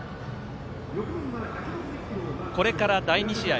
これから第２試合。